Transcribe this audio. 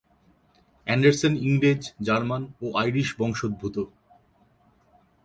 Anderson ইংরেজ, German ও Irish বংশোদ্ভূত।